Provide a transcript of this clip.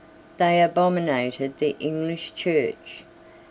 They abominated the English Church.